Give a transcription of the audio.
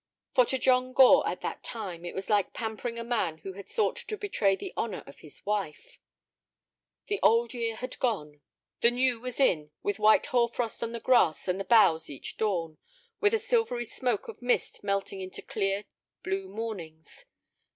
For to John Gore at that time it was like pampering a man who had sought to betray the honor of his wife. The old year had gone; the new was in with white hoar frost on the grass and the boughs each dawn, and a silvery smoke of mist melting into clear blue mornings.